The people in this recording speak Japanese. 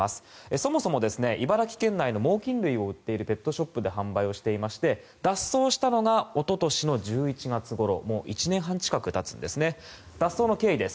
そもそも茨城県内の猛禽類を売っているペットショップで販売をしていまして脱走したのが一昨年１１月ごろもう１年半近く経ちます。